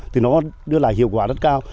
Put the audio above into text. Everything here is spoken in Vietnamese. thì nó đưa lại hiệu quả rất cao